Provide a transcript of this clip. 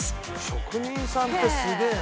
職人さんってすげえな。